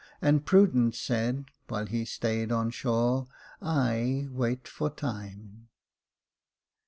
And Prudence said (while he stayed on shore },' I wait for Time.'